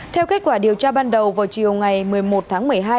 theo kết quả điều tra ban đầu vào chiều ngày một mươi một tháng một mươi hai